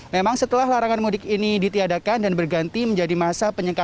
memang setelah larangan mudik ini ditiadakan dan berganti menjadi masa penyekatan